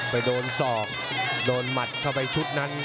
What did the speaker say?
ไปโดนศอกโดนหมัดเข้าไปชุดนั้น